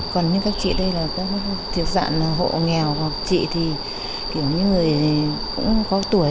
còn những các chị đây là các thiếu dạng hộ nghèo hoặc chị thì kiểu như người cũng có tuổi